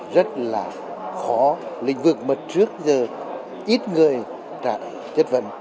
rất là khó lĩnh vực mật trước giờ ít người trả chất vấn